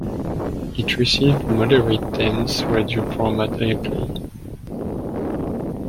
It received moderate dance radio format airplay.